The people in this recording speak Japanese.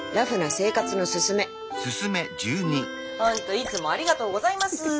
ほんといつもありがとうございます。